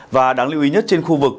và đáng lưu ý nhất trên khu vực